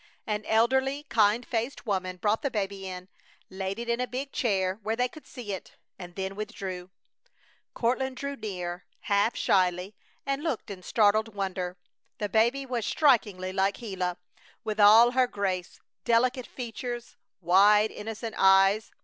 An elderly, kind faced woman brought the baby in, laid it in a big chair where they could see it, and then withdrew. Courtland drew near, half shyly, and looked in startled wonder. The baby was strikingly like Gila, with all her grace, delicate features, wide innocent eyes.